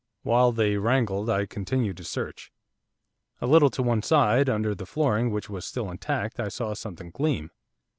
While they wrangled, I continued to search. A little to one side, under the flooring which was still intact, I saw something gleam.